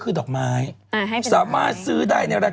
คุณหมอโดนกระช่าคุณหมอโดนกระช่า